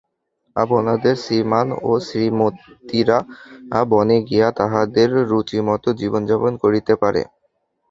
আপনাদের শ্রীমান ও শ্রীমতীরা বনে গিয়া তাহাদের রুচিমত জীবন যাপন করিতে পারে।